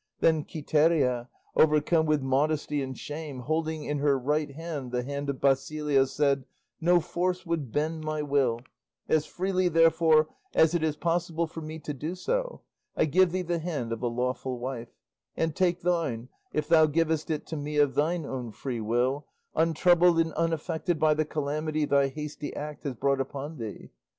Then Quiteria, overcome with modesty and shame, holding in her right hand the hand of Basilio, said, "No force would bend my will; as freely, therefore, as it is possible for me to do so, I give thee the hand of a lawful wife, and take thine if thou givest it to me of thine own free will, untroubled and unaffected by the calamity thy hasty act has brought upon thee."